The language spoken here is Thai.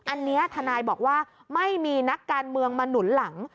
อันนี้ทนายบอกว่าไม่มีนักการเมืองมาหนุนหลัง